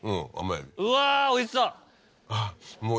うわおいしそう。